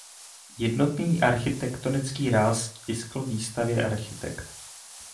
Jednotný architektonický ráz vtiskl výstavě architekt.